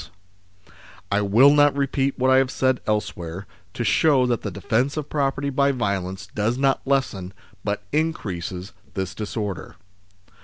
125 126 THE SLAVERY OF OUR TIMES I will not repeat what I have said elsewhere, to show that the defence of property by violence does not lessen, but increases, this disorder.